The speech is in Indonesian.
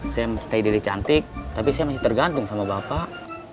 saya stay deli cantik tapi saya masih tergantung sama bapak